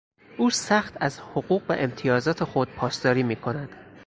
او سخت از حقوق و امتیازات خود پاسداری میکند.